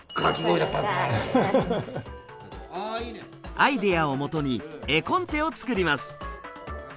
アイデアをもとに絵コンテを作ります。